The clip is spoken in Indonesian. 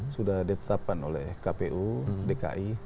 sudah ditetapkan oleh kpu dki